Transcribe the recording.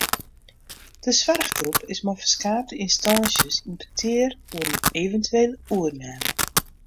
De soarchgroep is mei ferskate ynstânsjes yn petear oer in eventuele oername.